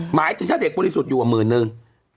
หมายถึงถ้าเด็กบริสุทธิ์อยู่หมื่นนึง